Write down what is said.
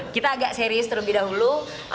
kita agak serius terlebih dahulu